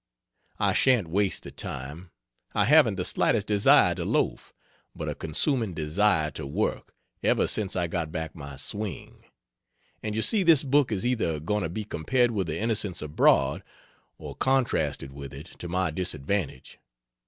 I shan't waste the time I haven't the slightest desire to loaf, but a consuming desire to work, ever since I got back my swing. And you see this book is either going to be compared with the Innocents Abroad, or contrasted with it, to my disadvantage.